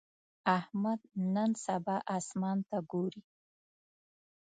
احمد نن سبا اسمان ته ګوري.